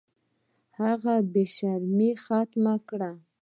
هغه بې شرمۍ ختمې کړم.